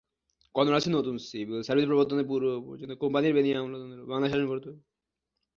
কর্নওয়ালিসের নতুন civil service প্রর্বতনের পূর্ব পর্যন্ত কোম্পানির বেনিয়া আমলাতন্ত্র বাংলা শাসন করত।